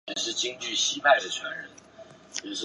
影片的拍摄地点主要在辽宁省大连市。